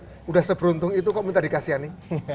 sudah seberuntung itu kok minta dikasihani